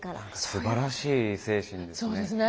すばらしい精神ですね。